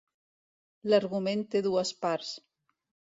L’argument té dues parts.